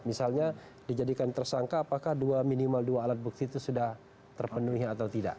misalnya dijadikan tersangka apakah dua minimal dua alat bukti itu sudah terpenuhi atau tidak